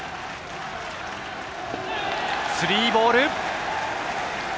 スリーボール。